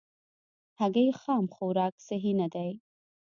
هګۍ خام خوراک صحي نه ده.